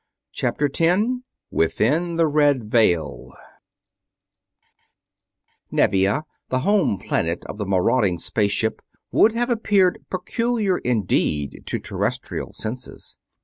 CHAPTER 10 WITHIN THE RED VEIL Nevia, the home planet of the marauding space ship, would have appeared peculiar indeed to Terrestrial senses.